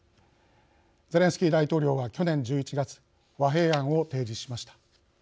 ゼレンスキー大統領は去年１１月和平案を提示しました。